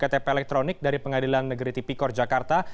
kepala pemerintahan elektronik dari pengadilan negeri tipikor jakarta